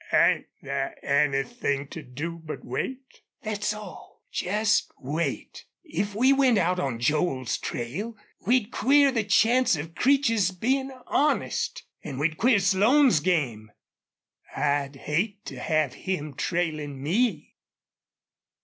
... Ain't there anythin' to do but wait?" "Thet's all. Jest wait. If we went out on Joel's trail we'd queer the chance of Creech's bein' honest. An' we'd queer Slone's game. I'd hate to have him trailin' me."